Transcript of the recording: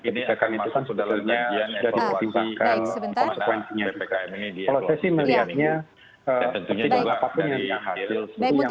ini akan masuk ke dalamnya evaluasi komandar bpkm ini di eropa